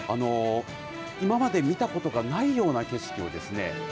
今まで見たことがないような景色をですね